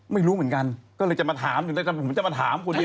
ไม่รู้เหมือนกันก็เลยจะมาถามถึงถ้าผมจะมาถามคุณเนี่ย